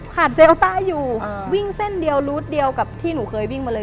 เซลต้าอยู่วิ่งเส้นเดียวรูดเดียวกับที่หนูเคยวิ่งมาเลย